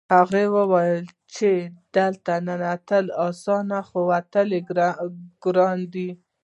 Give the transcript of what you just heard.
هغه وویل چې دلته ننوتل اسانه خو وتل ګران دي